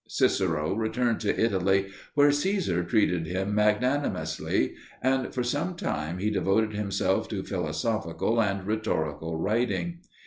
Cicero returned to Italy, where Caesar treated him magnanimously, and for some time he devoted himself to philosophical and rhetorical writing.